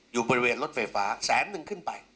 อยู่บริเวณรถไฟฟ้าแสนนึงขึ้นไป